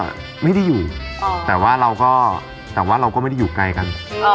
ก็ไม่ได้อยู่แต่ว่าเราก็แต่ว่าเราก็ไม่ได้อยู่ไกลกัน